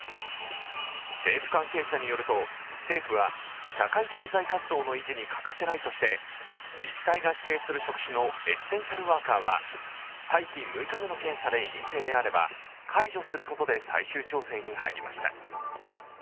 政府関係者によると、政府は社会経済活動の維持に欠かせないとして自治体が指定する職種のエッセンシャルワーカーは待機６日目の検査で陰性であれば解除することで最終調整に入りました。